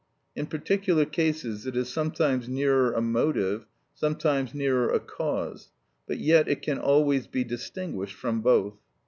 In particular cases it is sometimes nearer a motive, sometimes nearer a cause, but yet it can always be distinguished from both.